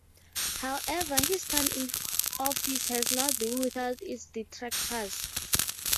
However, his time in office has not been without its detractors.